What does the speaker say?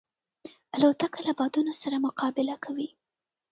الوتکه له بادونو سره مقابله کوي.